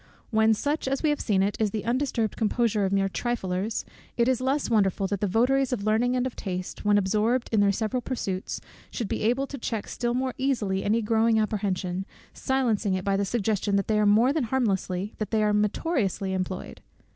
When such, as we have seen it, is the undisturbed composure of mere triflers, it is less wonderful that the votaries of learning and of taste, when absorbed in their several pursuits, should be able to check still more easily any growing apprehension, silencing it by the suggestion, that they are more than harmlessly, that they are meritoriously employed.